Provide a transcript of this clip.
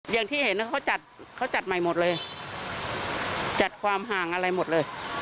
อย่างที่เห็นเขาจัดเขาจัดใหม่หมดเลยจัดความห่างอะไรหมดเลย